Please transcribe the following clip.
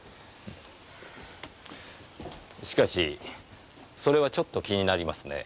しかしそれはちょっと気になりますね。